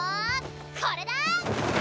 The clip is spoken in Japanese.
これだ！